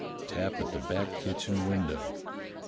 Tap at the back kitchen window."